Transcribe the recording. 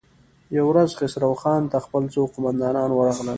يوه ورځ خسرو خان ته خپل څو قوماندان ورغلل.